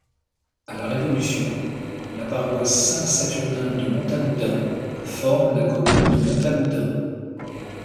À la Révolution, la paroisse Saint-Saturnin de Montagoudin forme la commune de Montagoudin.